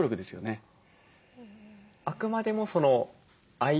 あくまでも相手。